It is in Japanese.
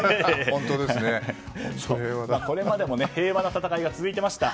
これまでも平和な戦いが続いていました